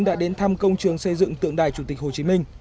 đã đến thăm công trường xây dựng tượng đài chủ tịch hồ chí minh